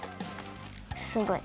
すごい。